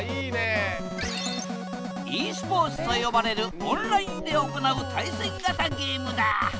ｅスポーツと呼ばれるオンラインで行う対戦型ゲームだ。